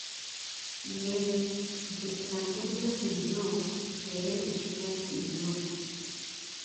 Yee, nti ddala ndi mugezi nnyo era ekyo kituufu nnyo.